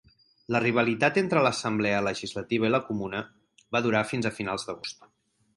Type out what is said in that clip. La rivalitat entre l'Assemblea Legislativa i la Comuna va durar fins a finals d'agost.